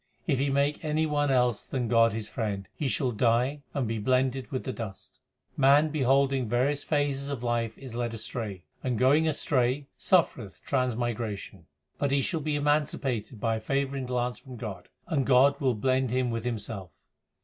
If he make any one else than God his friend, he shall die and be blended with the dust. 1 Literally thags. 342 THE SIKH RELIGION Man beholding various phases of life is led astray, and going astray suffereth transmigration ; But he shall be emancipated by a favouring glance from God, and God will blend him with Himself.